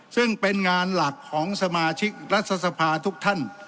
ซึ่งเป็นงานหลักของสมาชิกรัฐสภาทุกท่าน